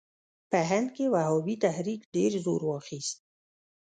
په هند کې وهابي تحریک ډېر زور واخیست.